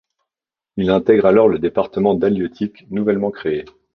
Il intègre alors le département d'halieutique nouvellement créé.